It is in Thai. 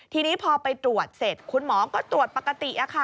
ทีนี้พอไปตรวจเสร็จคุณหมอก็ตรวจปกติ